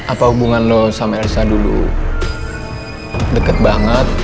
apa hubungan lo sama ersa dulu deket banget